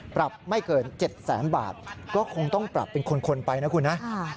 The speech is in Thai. ปรับไม่เกิน๗แสนบาทก็คงต้องปรับเป็นคนไปนะคุณนะ